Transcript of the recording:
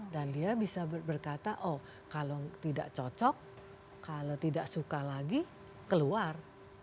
dan dia bisa berkata oh kalau tidak cocok kalau tidak suka lagi keluar